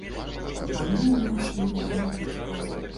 Прапануем вашай увазе іх адказы.